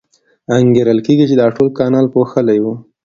انګېرل کېږي چې دا ټول کانال پوښلی و.